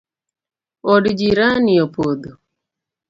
Od jirani opodho